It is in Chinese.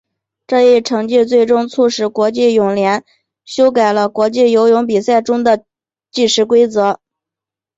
这一成绩最终促使国际泳联修改了国际游泳比赛中的计时规则。